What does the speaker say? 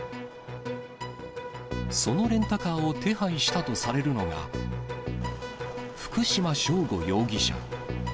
そのレンタカーを手配したとされるのが、福島聖悟容疑者。